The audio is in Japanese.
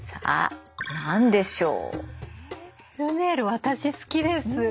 私好きです。